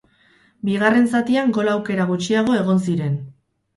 Bigarren zatian gol aukera gutxiago egon ziren.